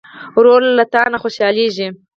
ورور له تا نه خوشحالېږي.